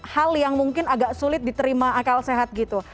hal yang mungkin agak sulit diterima akal sehat gitu